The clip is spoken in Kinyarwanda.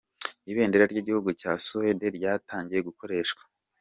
Ibendera ry’igihugu cya Suwede ryatangiye gukoreshwa.